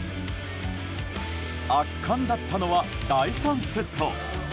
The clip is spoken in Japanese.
圧巻だったのは第３セット。